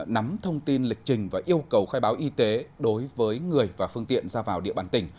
nắm thông tin lịch trình và yêu cầu khai báo y tế đối với người và phương tiện ra vào địa bàn tỉnh